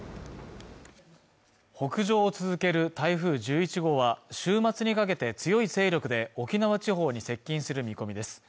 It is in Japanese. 北上を続ける台風１１号は週末にかけて強い勢力で沖縄地方に接近する見込みです